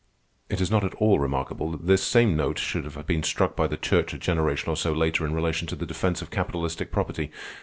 _" It is not at all remarkable that this same note should have been struck by the Church a generation or so later in relation to the defence of capitalistic property.